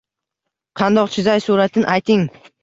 Qandoq chizay suratin ayting